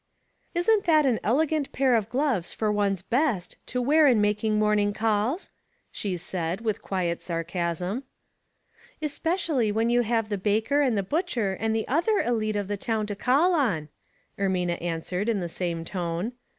''Split Thingar 7 *' Isn't that an elegant pair of gloves for one's best to wear in making morning calls?*' she said, with quiet sarcasm. " Especially when you have the baker and the butcher and other elite of the town to call on," Ermina answered, in the same tone.